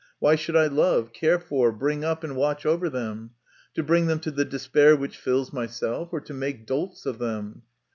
Why should I love, care for, bring up, and watch over them ? To bring them to the despair which fills myself, or to make dolts of them?